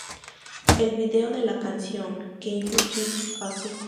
El video de la canción "Can You Keep a Secret?